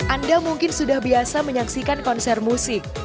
anda mungkin sudah biasa menyaksikan konser musik